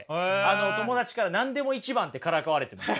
友達から何でも一番ってからかわれてました。